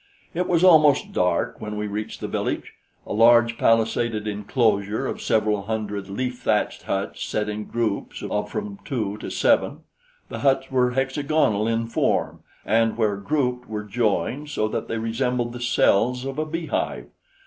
It was almost dark when we reached the village a large palisaded enclosure of several hundred leaf thatched huts set in groups of from two to seven. The huts were hexagonal in form, and where grouped were joined so that they resembled the cells of a bee hive.